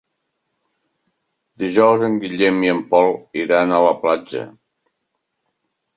Dijous en Guillem i en Pol iran a la platja.